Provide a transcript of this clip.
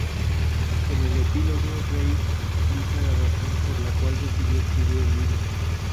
En el epílogo Reis explica la razón por la cual decidió escribir el libro.